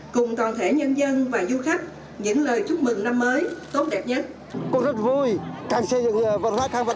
cùng toàn thể nhân dân và du khách những lời chúc mừng năm mới tốt đẹp nhất